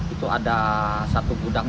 itu ada satu gudang